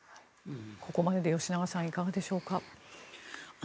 ここまでで吉永さん、いかがでしょうか。